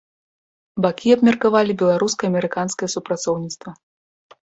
Бакі абмеркавалі беларуска-амерыканскае супрацоўніцтва.